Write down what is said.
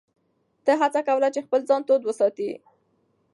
ده هڅه کوله چې خپل ځان تود وساتي.